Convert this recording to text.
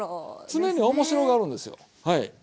常に面白がるんですよはい。